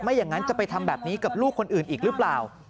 อย่างนั้นจะไปทำแบบนี้กับลูกคนอื่นอีกหรือเปล่า